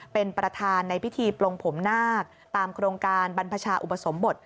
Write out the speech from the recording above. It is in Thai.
เป็นประธานในพิธีปลงผมนาคตามโครงการบรรพชาอุปสมบท